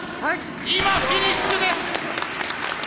今フィニッシュです！